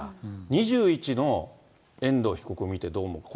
２１の遠藤被告を見てどう？